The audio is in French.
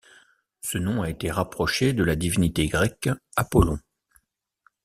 Ce nom a été rapproché de la divinité grecque Apollon.